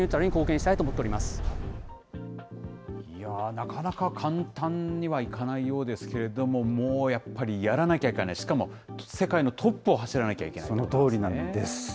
なかなか簡単にはいかないようですけれども、もうやっぱり、やらなきゃいけない、しかも世界のトップを走らなきゃいけないんですね。